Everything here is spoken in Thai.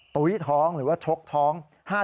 ตุ๊ยท้องหรือว่าชกท้อง